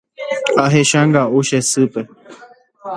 Ahechaga'u che sýpe.